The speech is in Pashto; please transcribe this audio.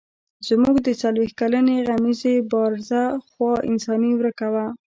زموږ د څلوېښت کلنې غمیزې بارزه خوا انساني ورکه وه.